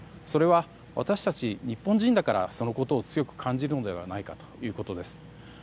それは、私たち日本人だからそのことを強く感じるのではないかということです。